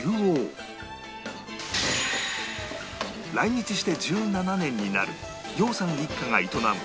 来日して１７年になる楊さん一家が営む